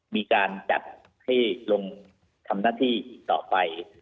มีการจัดให้ลงทำหน้าที่อีกต่อไป